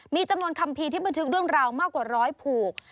มีจำนวนคัมภีร์ที่บันทึกเรื่องราวมากกว่าร้อยผูก